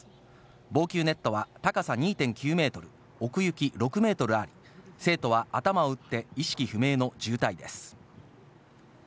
防球ネットは高さ２．９メートル、奥行き６メートルあり、生徒は頭を打って意識不明の重体です。